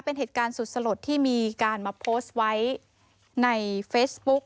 เป็นเหตุการณ์สุดสลดที่มีการมาโพสต์ไว้ในเฟซบุ๊ก